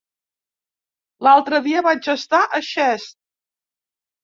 L'altre dia vaig estar a Xest.